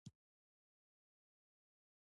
فېسبوک د نړۍ د نوو پېښو د پوهېدو وسیله ده